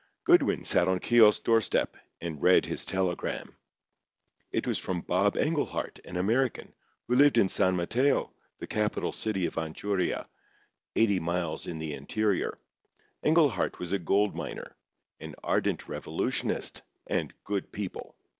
Goodwin sat on Keogh's doorstep, and read his telegram. It was from Bob Englehart, an American, who lived in San Mateo, the capital city of Anchuria, eighty miles in the interior. Englehart was a gold miner, an ardent revolutionist and "good people."